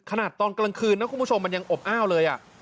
ตอนกลางคืนนะคุณผู้ชมมันยังอบอ้าวเลย